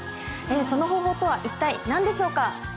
その方法とは一体何でしょうか？